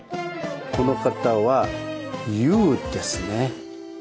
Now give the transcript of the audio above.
この方は「優」ですね。